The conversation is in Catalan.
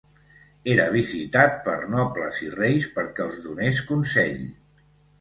Era visitat per nobles i reis perquè els donés consell.